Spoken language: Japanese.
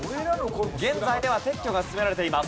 現在では撤去が進められています。